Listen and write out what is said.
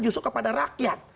justru kepada rakyat